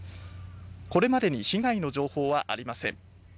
これまでに被害の情報はありません。